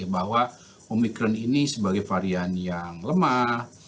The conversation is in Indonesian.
bahwa omikron ini sebagai varian yang lemah